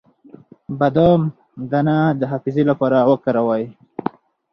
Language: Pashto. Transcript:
د بادام دانه د حافظې لپاره وکاروئ